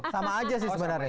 sama aja sih sebenarnya